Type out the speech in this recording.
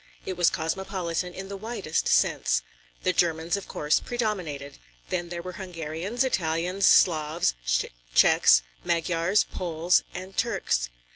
It was cosmopolitan in the widest sense. The Germans of course predominated; then there were Hungarians, Italians, Sclavs, Sczechs, Magyars, Poles and Turks.